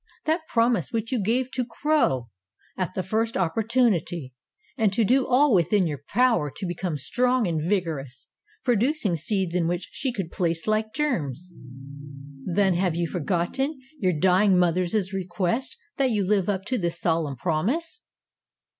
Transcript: That promise which you gave to grow, at the first opportunity, and to do all within your power to become strong and vigorous, producing seeds in which she could place like germs. Then have you forgotten your dying mother's request that you live up to this solemn promise?"